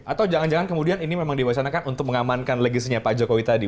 atau jangan jangan kemudian ini memang diwacanakan untuk mengamankan legasinya pak jokowi tadi